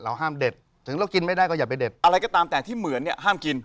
ห้ามเด็ดถึงเรากินไม่ได้ก็อย่าไปเด็ดอะไรก็ตามแต่ที่เหมือนเนี่ยห้ามกิน